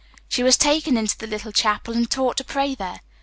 She was taken into the little chapel and taught to pray there.